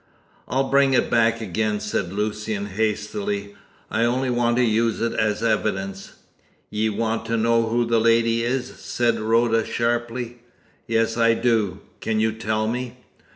"I'll bring it back again," said Lucian hastily. "I only want to use it as evidence." "Ye want to know who the lady is?" said Rhoda sharply. "Yes, I do. Can you tell me?"